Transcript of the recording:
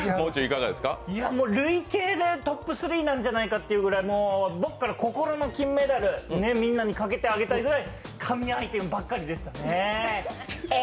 トップスリーなんじゃないかっていう僕から心の金メダル、みんなにかけてあげたいぐらい神アイテムばっかりでしたねえ。